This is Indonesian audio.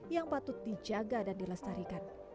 yang patut dijaga dan dilestarikan